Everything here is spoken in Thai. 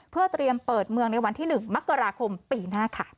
เพื่อเตรียมเปิดเมืองในวันที่๑มกราคมปีหน้าค่ะ